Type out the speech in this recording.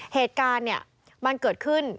เหตุการณ์มันเกิดขึ้น